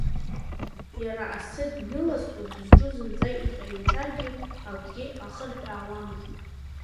Иара асы дныласуа дызҿу зынӡа иҟаимҵаргьы, акгьы ахырҳәаауамызт.